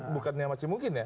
bukannya masih mungkin ya